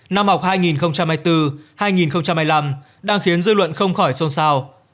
năm học hai nghìn hai mươi bốn hai nghìn hai mươi năm đang khiến dư luận không khỏi xôn xao